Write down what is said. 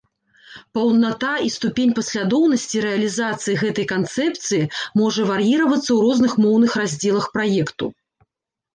Паўната і ступень паслядоўнасці рэалізацыі гэтай канцэпцыі можа вар'іравацца ў розных моўных раздзелах праекту.